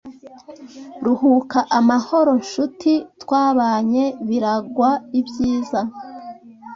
Ruhuka amahoro nshuti twabanye biragwa ibyiza